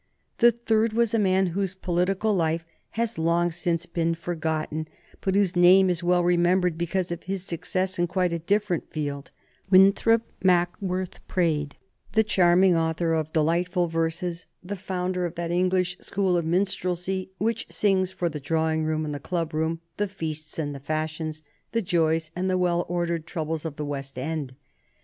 The third was a man whose political life has long since been forgotten, but whose name is well remembered because of his success in quite a different field Winthrop Mackworth Praed, the charming author of delightful verses, the founder of that English school of minstrelsy which sings for the drawing room and the club room, the feasts and the fashions, the joys and the well ordered troubles of the West End.